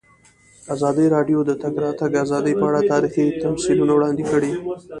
ازادي راډیو د د تګ راتګ ازادي په اړه تاریخي تمثیلونه وړاندې کړي.